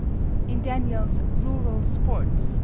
In Daniel's "Rural Sports," A.